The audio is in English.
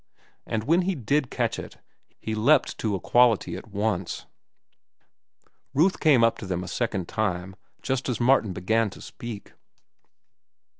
And when he did catch it, he leapt to equality at once. Ruth came up to them a second time, just as Martin began to speak.